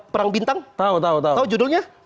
perang bintang tahu tahu tahu tahu judulnya